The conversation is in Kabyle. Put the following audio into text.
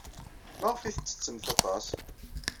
Maɣef ay tettettemt aṭas?